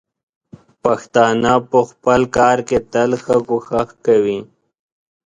پښتانه په خپل کار کې تل ښه کوښښ کوي.